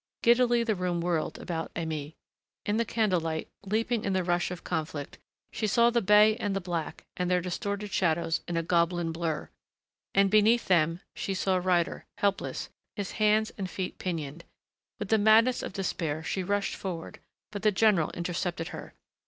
Giddily the room whirled about Aimée.... In the candle light, leaping in the rush of conflict, she saw the bey and the black, and their distorted shadows in a goblin blur.... And beneath them she saw Ryder, helpless, his hands and feet pinioned.... With the madness of despair she rushed forward, but the general intercepted her.